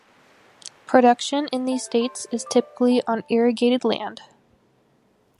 Production in these states is typically on irrigated land.